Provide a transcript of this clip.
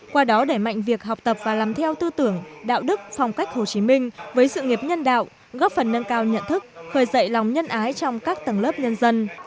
qua đó để mạnh việc học tập và làm theo tư tưởng đạo đức phong cách hồ chí minh với sự nghiệp nhân đạo góp phần nâng cao nhận thức khởi dậy lòng nhân ái trong các tầng lớp nhân dân